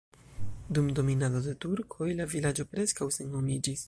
Dum dominado de turkoj la vilaĝo preskaŭ senhomiĝis.